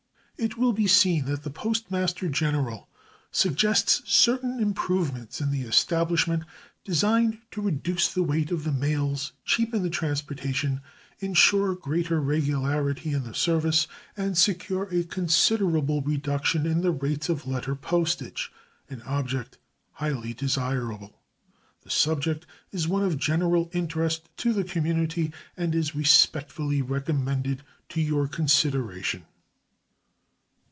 It will be seen that the Postmaster General suggests certain improvements in the establishment designed to reduce the weight of the mails, cheapen the transportation, insure greater regularity in the service, and secure a considerable reduction in the rates of letter postage an object highly desirable. The subject is one of general interest to the community, and is respectfully recommended to your consideration.